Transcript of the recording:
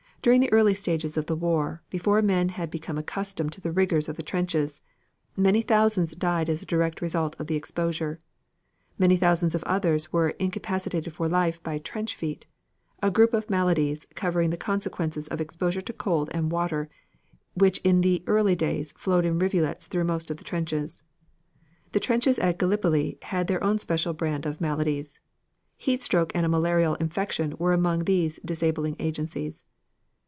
During the early stages of the war, before men became accustomed to the rigors of the trenches, many thousands died as a direct result of the exposure. Many thousand of others were incapacitated for life by "trench feet," a group of maladies covering the consequences of exposure to cold and water which in those early days flowed in rivulets through most of the trenches. The trenches at Gallipoli had their own special brand of maladies. Heatstroke and a malarial infection were among these disabling agencies.